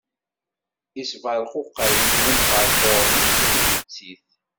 Isberquqay-d umqerqur-nni seg tbettit.